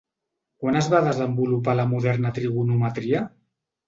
Quan es va desenvolupar la moderna trigonometria?